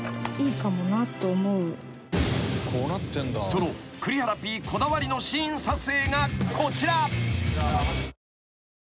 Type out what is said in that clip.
［その栗原Ｐこだわりのシーン撮影がこちら］